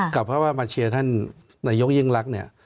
เพราะว่ามาเชียร์ท่านนายกยิ่งรักเนี่ย